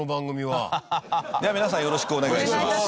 では皆さんよろしくお願いします。